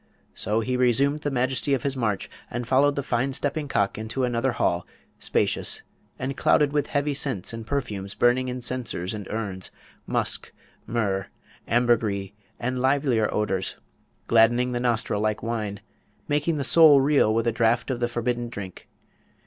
So he resumed the majesty of his march, and followed the fine stepping cock into another hall, spacious, and clouded with heavy scents and perfumes burning in censers and urns, musk, myrrh, ambergris, and livelier odours, gladdening the nostril like wine, making the soul reel as with a draught of the forbidden drink.